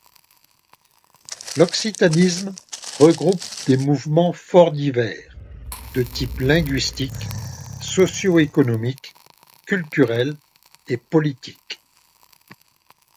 L'occitanisme regroupe des mouvements fort divers, de type linguistique, socio-économique, culturel et politique.